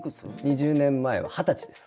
２０年前は二十歳です。